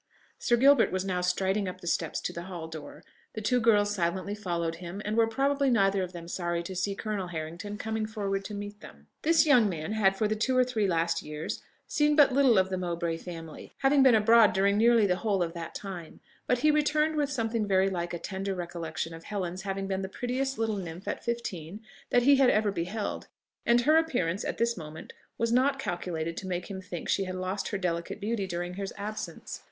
Sir Gilbert was now striding up the steps to the hall door: the two girls silently followed him, and were probably neither of them sorry to see Colonel Harrington coming forward to meet them. This young man had for the two or three last years seen but little of the Mowbray family, having been abroad during nearly the whole of that time; but he returned with something very like a tender recollection of Helen's having been the prettiest little nymph at fifteen that he had ever beheld, and her appearance at this moment was not calculated to make him think she had lost her delicate beauty during his absence.